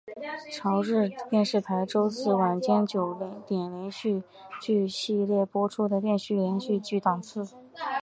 朝日电视台周四晚间九点连续剧系列播出的电视连续剧档次。